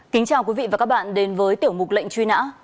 kính chào quý vị và các bạn đến với tiểu mục lệnh truy nã